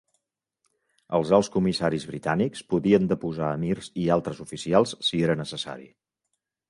Els Alts Comissaris britànics podien deposar emirs i altres oficials si era necessari.